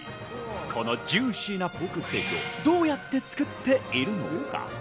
このジューシーなポークステーキをどうやって作っているのか？